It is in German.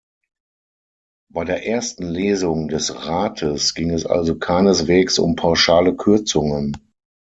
Bei der ersten Lesung des Rates ging es also keineswegs um pauschale Kürzungen.